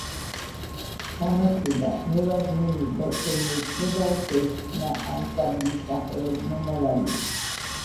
გამარჯობა მე ვარ ნინი და ჩემი ოცნებაა შევქმნა ანსამბლი სახელად "მომავალი"